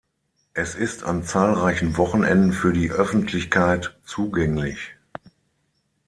Es ist an zahlreichen Wochenenden für die Öffentlichkeit zugänglich.